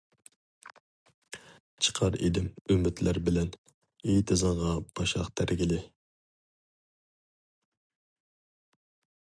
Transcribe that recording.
چىقار ئىدىم ئۈمىدلەر بىلەن، ئېتىزىڭغا باشاق تەرگىلى.